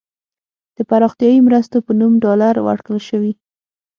د پراختیايي مرستو په نوم ډالر ورکړل شوي.